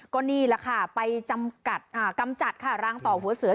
ก็นี่ละค่ะไปกำจัดค่ะรังตอหัวเสือ